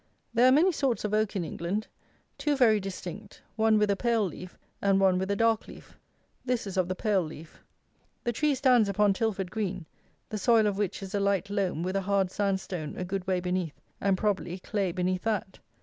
There are many sorts of oak in England; two very distinct; one with a pale leaf, and one with a dark leaf: this is of the pale leaf. The tree stands upon Tilford green, the soil of which is a light loam with a hard sand stone a good way beneath, and, probably, clay beneath that.